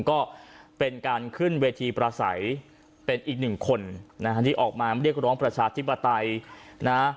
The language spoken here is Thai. ก็เป็นการขึ้นเวทีประสัยเป็นอีกหนึ่งคนนะฮะที่ออกมาเรียกร้องประชาธิปไตยนะ